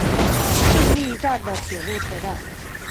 胜瑞站的铁路车站。